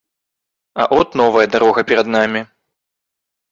А от новая дарога перад намі.